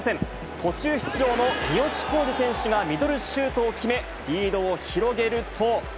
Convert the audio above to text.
途中出場の三好康児選手がミドルシュートを決め、リードを広げると。